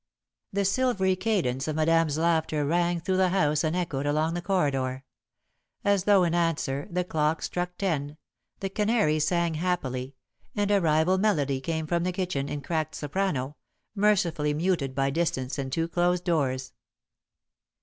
The silvery cadence of Madame's laughter rang through the house and echoed along the corridor. As though in answer, the clock struck ten, the canary sang happily, and a rival melody came from the kitchen, in cracked soprano, mercifully muted by distance and two closed doors.